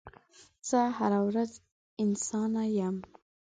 زه هره ورځ انسانه یم